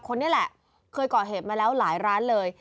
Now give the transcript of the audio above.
คนนี้แหละเคยก่อเหตุมาแล้วหลายร้านเลย